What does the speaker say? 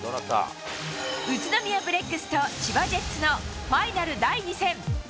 宇都宮ブレックスと千葉ジェッツのファイナル第２戦。